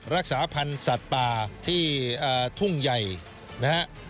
รักษาพันธุ์สัตว์ป่าที่ทุ่งใหญ่นะฮะ